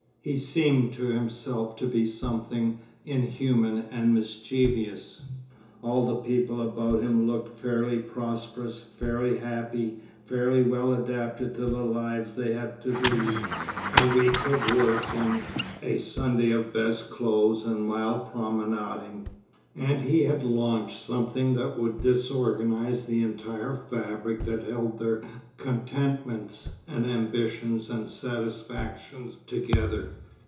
He seemed to himself to be something inhuman and mischievous. All the people about him looked fairly prosperous, fairly happy, fairly well adapted to the lives they had to lead—a week of work and a Sunday of best clothes and mild promenading—and he had launched something that would disorganise the entire fabric that held their contentments and ambitions and satisfactions together.